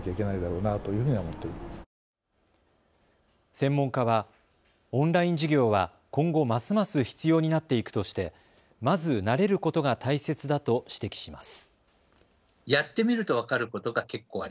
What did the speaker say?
専門家は、オンライン授業は今後ますます必要になっていくとしてまず慣れることが大切だと指摘します。